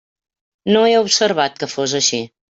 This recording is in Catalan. No he observat que fos així.